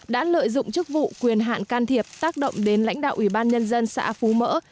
đã lợi dụng chức vụ quyền hạn can thiệp tác động đến lãnh đạo ủy ban nhân dân xã phú mỡ